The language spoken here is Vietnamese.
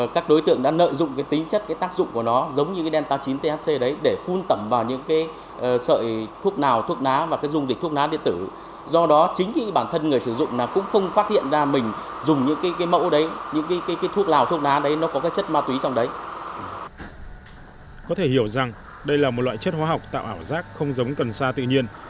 có thể hiểu rằng đây là một loại chất hóa học tạo ảo giác không giống cần xa tự nhiên